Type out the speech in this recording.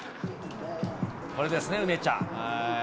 これですね、梅ちゃん。